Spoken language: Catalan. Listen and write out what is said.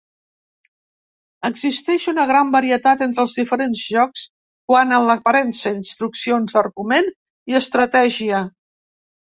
Existeix una gran varietat entre els diferents jocs quant a l'aparença, instruccions, argument i estratègia.